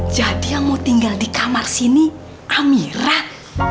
jadi yang mau tinggal di kamar sini amirah